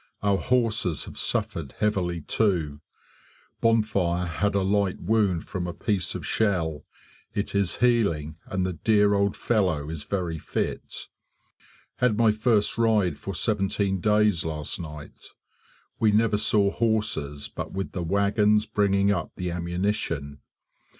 Our horses have suffered heavily too. Bonfire had a light wound from a piece of shell; it is healing and the dear old fellow is very fit. Had my first ride for seventeen days last night. We never saw horses but with the wagons bringing up the ammunition.